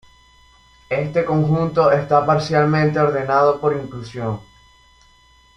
Este conjunto está parcialmente ordenado por inclusión.